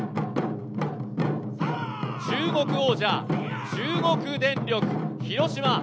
中国王者、中国電力・広島。